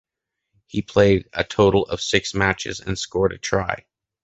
He played a total of six matches and scored a try.